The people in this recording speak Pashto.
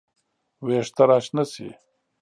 وېښته راشنه شي